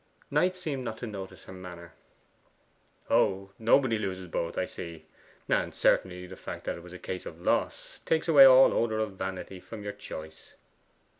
Knight seemed not to notice her manner. 'Oh, nobody ever loses both I see. And certainly the fact that it was a case of loss takes away all odour of vanity from your choice.